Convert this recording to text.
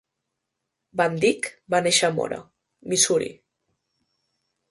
Van Dyke va néixer a Mora, Missouri.